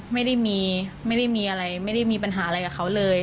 ไม่ได้มีอะไรไม่ได้มีปัญหาอะไรกับเขาเลย